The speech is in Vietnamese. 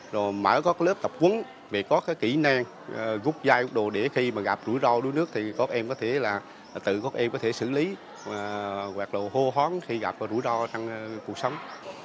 rồi mở các lớp tập quấn về có cái kỹ năng gúc dai gúc đồ để khi mà gặp rủi ro đuối nước thì các em có thể là tự các em có thể xử lý hoặc là hô hoán khi gặp rủi ro trong cuộc sống